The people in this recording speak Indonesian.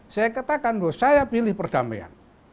saya katakan bahwa saya pilih perdamaian